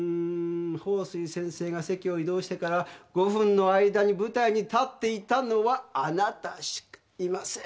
鳳水先生が席を移動してから５分の間に舞台に立っていたのはあなたしかいません。